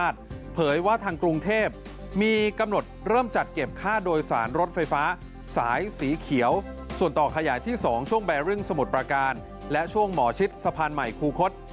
ส่วนต่อขยายที่๒ช่วงแบริ่งสมุทรประการและช่วงหมอชิดสะพานใหม่คูคศ